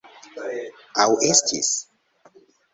Aŭ estis?